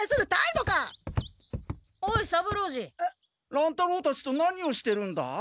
乱太郎たちと何をしてるんだ？